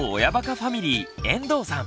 ファミリー遠藤さん。